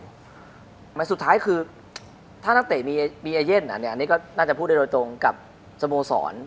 ไหมที่สุดท้ายคือถ้าตั้งแต่มีเอนด์อ่ะหน้นนี่ก็น่าจะพูดได้โดยตรงกับสโมศร